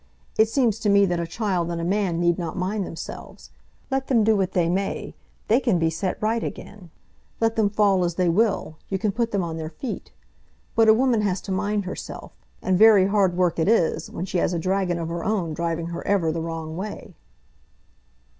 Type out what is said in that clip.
It seems to me that a child and a man need not mind themselves. Let them do what they may, they can be set right again. Let them fall as they will, you can put them on their feet. But a woman has to mind herself; and very hard work it is when she has a dragon of her own driving her ever the wrong way."